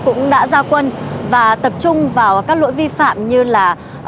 cũng đã ra quân và tập trung vào các lỗi vi phạm như là